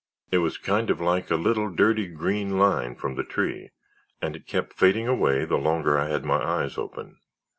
It was kind of like a little dirty green line from the tree and it kept fading away the longer I had my eyes open.